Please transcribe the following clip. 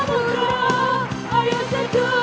memperkontak menyerah jiwa